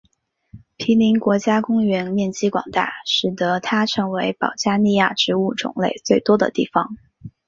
皮林国家公园面积广大使得它成为保加利亚植物种类最多的地方。